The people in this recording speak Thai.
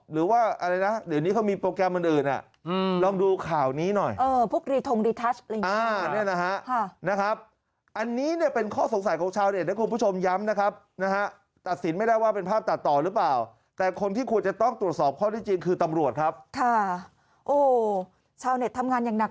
หรือว่าสงสัยว่าเขามีโปรแกรม